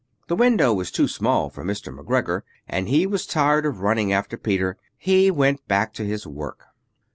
The window was too small for Mr. McGregor, and he was tired of running after Peter. He went back to his work.